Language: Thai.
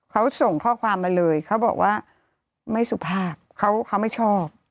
เขาส่งข้อความมาเลยเขาบอกว่าไม่สุภาพเขาไม่ชอบ